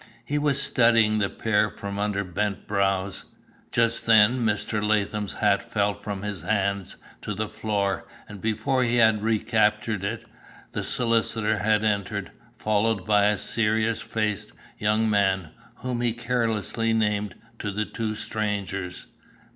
He was studying the pair from under bent brows. Just then Mr. Latham's hat fell from his hands to the floor, and before he had recaptured it, the solicitor had entered, followed by a serious faced young man, whom he carelessly named to the two strangers.